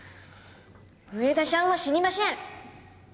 上田しゃんは死にましぇん！